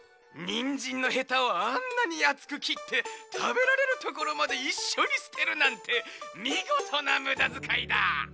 にんじんのヘタをあんなにあつくきってたべられるところまでいっしょにすてるなんてみごとなむだづかいだ！